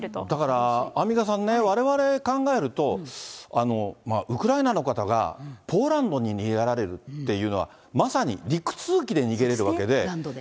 だから、アンミカさんね、われわれ考えると、ウクライナの方がポーランドに逃げられるっていうのは、まさに陸続きで逃げれるわけで。